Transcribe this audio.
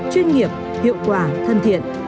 chuyên nghiệp hiệu quả thân thiện